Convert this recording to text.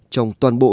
trong toàn bộ